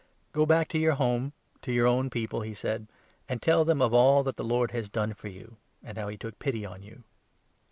19 "Go back to your home, to your own people," he said, " and tell them of all that the Lord has done for you, and how he took pity on you.